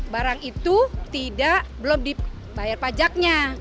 barang itu belum dibayar pajaknya